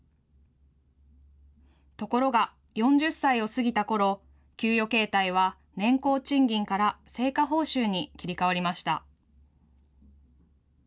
ところが４０歳を過ぎたころ、給与形態は年功賃金から成果報酬に切り替わりました。